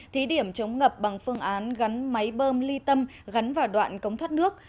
thí điểm chống ngập bằng phương án gắn máy bơm ly tâm gắn vào đoạn cống thoát nước